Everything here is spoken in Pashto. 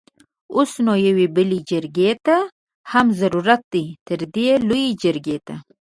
اوس نو يوې بلې جرګې ته هم ضرورت دی؛ تردې لويې جرګې ته!